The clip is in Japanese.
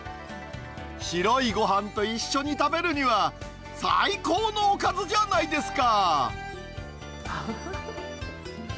白いごはんと一緒に食べるには、最高のおかずじゃないですか。